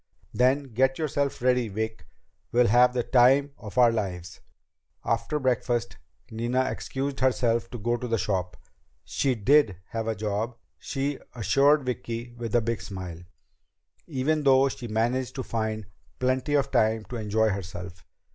"Then get yourself ready, Vic. We'll have the time of our lives!" After breakfast, Nina excused herself to go to the shop. She did have a job, she assured Vicki with a big smile, even though she managed to find plenty of time to enjoy herself.